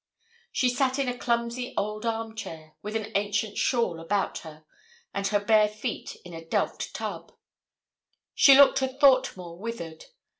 She sat in a clumsy old arm chair, with an ancient shawl about her, and her bare feet in a delft tub. She looked a thought more withered.